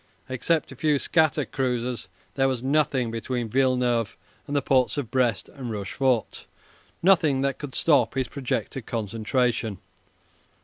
Except a few scattered cruisers, there was nothing between Villeneuve and the ports of Brest and Rochefort nothing that could stop his projected concentration.